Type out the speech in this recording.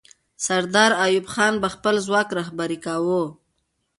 سردار ایوب خان به خپل ځواک رهبري کاوه.